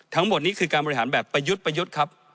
ทั้งหมดนี้คือการบริหารแบบประยุทธ์